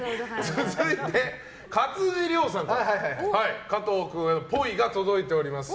続いて勝地涼さんから加藤君へ、ぽいが届いております。